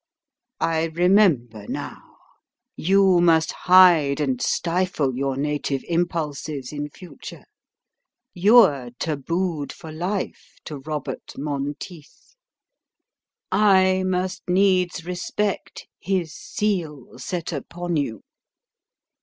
I remember now, you must hide and stifle your native impulses in future: you're tabooed for life to Robert Monteith: I must needs respect his seal set upon you!"